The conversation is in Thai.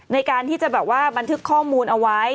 ในการที่จะแบบว่าบันทึกข้อมูลเอาไว้